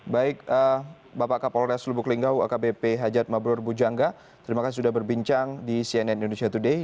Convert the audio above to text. baik bapak kapolres lubuk linggau akbp hajat mabrur bujangga terima kasih sudah berbincang di cnn indonesia today